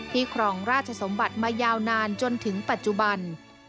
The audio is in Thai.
ครองราชสมบัติมายาวนานจนถึงปัจจุบัน